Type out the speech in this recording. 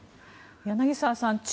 柳澤さん